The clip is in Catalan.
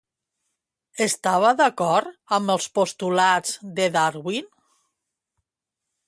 Estava d'acord amb els postulats de Darwin?